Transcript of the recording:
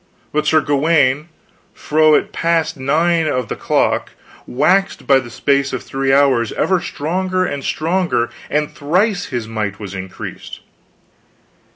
But Sir Gawaine, fro it passed nine of the clock, waxed by the space of three hours ever stronger and stronger and thrice his might was increased.